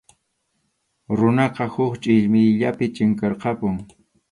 Runaqa huk chʼillmiyllapi chinkarqapun.